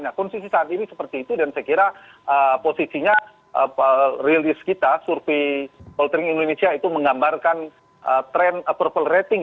nah kondisi saat ini seperti itu dan saya kira posisinya rilis kita survei poltering indonesia itu menggambarkan tren approval rating